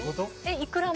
いくらも？